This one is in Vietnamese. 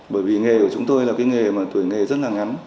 bởi vì nghề của chúng tôi là cái nghề mà tuổi nghề rất là ngắn